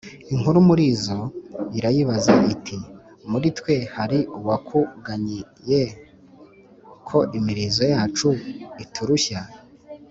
inkuru muri zo irayibaza iti « muri twe hari uwakuganyiye ko imirizo yacu iturushya ?